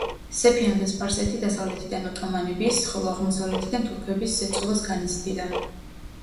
სეფიანთა სპარსეთი დასავლეთიდან ოტომანების, ხოლო აღმოსავლეთიდან თურქების ზეწოლას განიცდიდა.